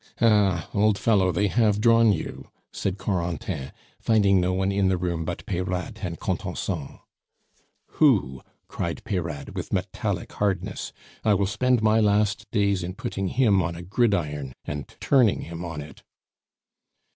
"Ah! old fellow, they have drawn you," said Corentin, finding no one in the room but Peyrade and Contenson. "Who?" cried Peyrade, with metallic hardness; "I will spend my last days in putting him on a gridiron and turning him on it."